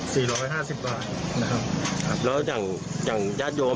ร้อยห้าสิบบาทนะครับครับแล้วอย่างอย่างญาติโยม